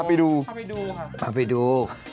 พาไปดู